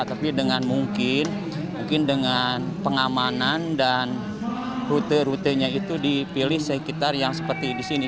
tapi dengan mungkin dengan pengamanan dan rute rutenya itu dipilih sekitar yang seperti di sini